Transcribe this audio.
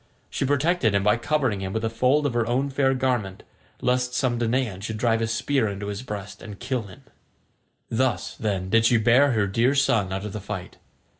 She protected him by covering him with a fold of her own fair garment, lest some Danaan should drive a spear into his breast and kill him. Thus, then, did she bear her dear son out of the fight.